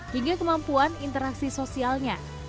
hingga kemampuan interaksi sosialnya